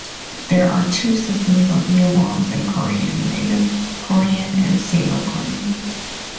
There are two systems of numerals in Korean: native Korean and Sino-Korean.